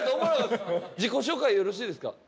自己紹介よろしいですか？